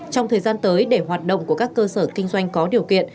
trong thời gian tới để hoạt động của các cơ sở kinh doanh có điều kiện